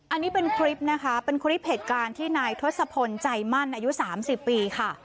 อันนี้เป็นคลิปนะคะเป็นคลิปเหตุการณ์ที่นายทศพลใจมั่นอายุ๓๐ปีค่ะ